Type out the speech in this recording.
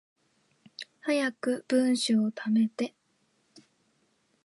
早く文章溜めて